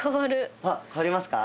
あっ変わりますか？